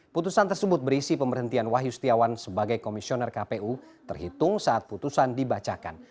putusan tersebut berisi pemberhentian wahyu setiawan sebagai komisioner kpu terhitung saat putusan dibacakan